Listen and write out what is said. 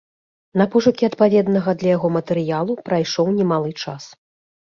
На пошукі адпаведнага для яго матэрыялу пайшоў немалы час.